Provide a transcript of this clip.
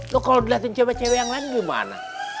lu kalau dilihatin cewek cewek yang lain gimana